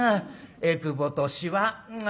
えくぼとしわあ